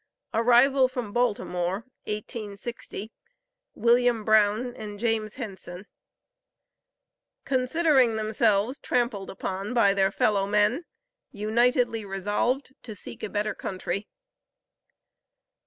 ARRIVAL FROM BALTIMORE, 1860. WILLIAM BROWN, AND JAMES HENSON Considering themselves trampled upon by their fellow men, unitedly resolved to seek a better country.